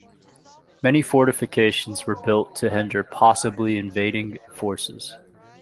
Many fortifications were built to hinder possibly invading forces.